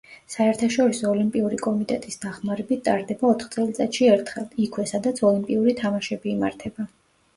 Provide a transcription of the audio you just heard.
საერთაშორისო ოლიმპიური კომიტეტის დახმარებით ტარდება ოთხ წელიწადში ერთხელ, იქვე, სადაც ოლიმპიური თამაშები იმართება.